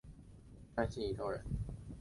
山西忻州人。